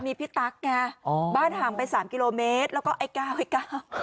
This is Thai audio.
มีพี่ตั๊กไงอ๋อบ้านห่างไปสามกิโลเมตรแล้วก็ไอ้เก้าไอ้เก้า